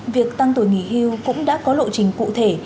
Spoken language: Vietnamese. việc tăng tuổi nghỉ hưu cũng đã có lộ trình cụ thể